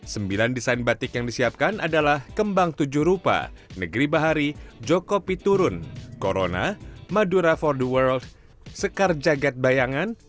sembilan desain batik yang disiapkan adalah kembang tujuh rupa negeri bahari jokopi turun corona madura for the world sekar jagad bayangan